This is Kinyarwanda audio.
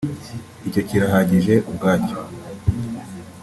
icyo kirahagije ubwacyo